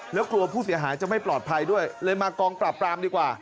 แล้วกลัวผู้เสียหายจะไม่ปลอดภัยด้วยเลยมากองปราบปรามดีกว่า